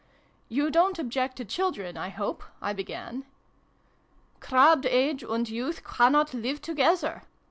" You don't object to children, I hope ?" I began. " Crabbed age and youth cannot live to gether !